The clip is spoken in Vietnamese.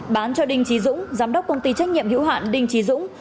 bán cho đinh trí dũng giám đốc công ty trách nhiệm hữu hạn đinh trí dũng